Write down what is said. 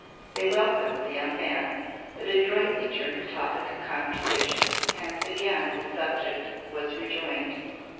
They welcomed the young man, but adroitly turned the topic of conversation, and again the subject of was rejoined.